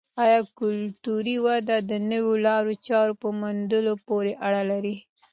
آیا کلتوري وده د نویو لارو چارو په موندلو پورې اړه لري؟